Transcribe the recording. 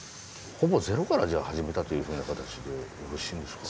ほぼゼロからじゃあ始めたというふうな形でよろしいんですか？